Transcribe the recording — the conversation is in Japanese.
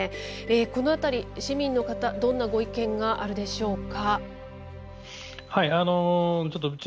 この辺り市民の方どんなご意見があるでしょうか。